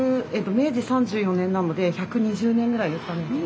明治３４年なので１２０年ぐらいですかね。